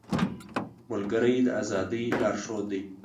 ملګری د ازادۍ لارښود دی